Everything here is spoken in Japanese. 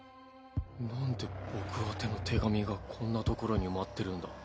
なんで僕宛ての手紙がこんな所に埋まってるんだ？